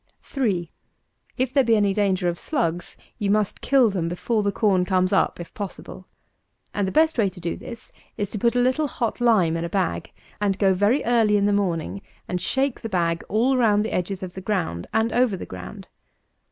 3. If there be any danger of slugs, you must kill them before the corn comes up if possible: and the best way to do this is to put a little hot lime in a bag, and go very early in the morning, and shake the bag all round the edges of the ground and over the ground.